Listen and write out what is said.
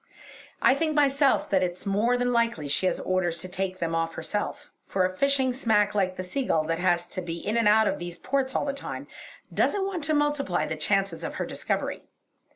I think myself that it's more than likely she has orders to take them off herself, for a fishing smack like the Seagull that has to be in and out of these ports all the time, doesn't want to multiply the chances of her discovery.